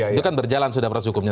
itu kan berjalan sudah proses hukumnya